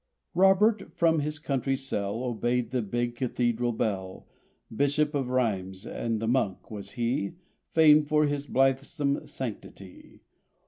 R IGOBERT from his country cell Obeyed the big cathedral bell: Bishop of Rheims, and monk, was he, Famed for his blithesome sanctity.